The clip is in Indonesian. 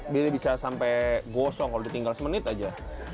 biar bisa sampai gosong kalau ditinggal semenit saja